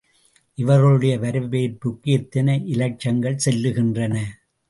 இவர்களுடைய வரவேற்புக்கு எத்தனை இலட்சங்கள் செல்லுகின்றன.